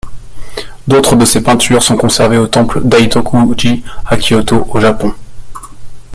D'autre de ses peintures sont conservées au temple Daitoku-ji à Kyoto, au Japon.